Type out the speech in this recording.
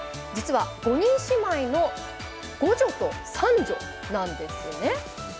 実は５人姉妹の五女と三女なんですよね。